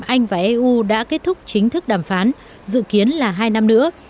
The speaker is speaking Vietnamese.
anh và eu đã kết thúc chính thức đàm phán dự kiến là hai năm nữa